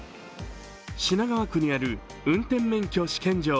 品川区にある運転免許証試験場。